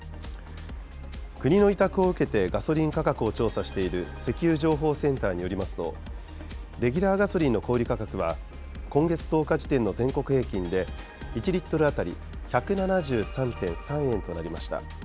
国の委託を受けてガソリン価格を調査している石油情報センターによりますと、レギュラーガソリンの小売り価格は、今月１０日時点の全国平均で１リットル当たり１７３．３円となりました。